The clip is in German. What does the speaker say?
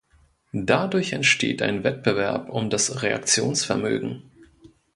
Dadurch entsteht ein Wettbewerb um das Reaktionsvermögen.